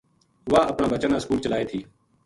واہ اپنا بچاں نا سکول چلائے تھی